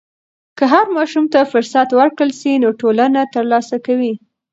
که هر ماشوم ته فرصت ورکړل سي، نو ټولنه ترلاسه کوي.